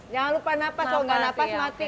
jangan lupa nafas kalau nggak nafas mati